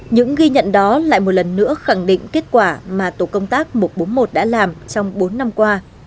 những ghi nhận đó lại một lần nữa khẳng định kết quả mà tổ công tác một trăm bốn mươi một đã làm trong bốn năm qua